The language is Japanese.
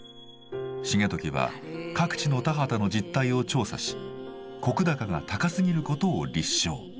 重辰は各地の田畑の実態を調査し石高が高すぎることを立証。